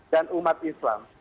dan umat islam